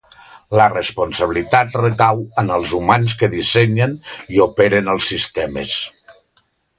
La responsabilitat recau en els humans que dissenyen i operen els sistemes.